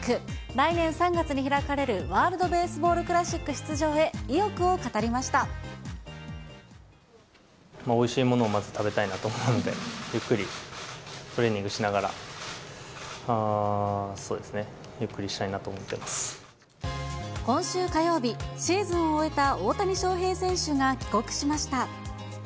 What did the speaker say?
来年３月に開かれるワールドベースボールクラシック出場へ意欲をおいしいものをまず食べたいなと思うので、ゆっくりトレーニングしながら、そうですね、ゆっくりしたいなと今週火曜日、シーズンを終えた大谷翔平選手が帰国しました。